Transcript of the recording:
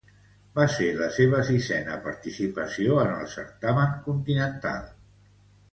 Va ser la seua sisena participació en el certamen continental.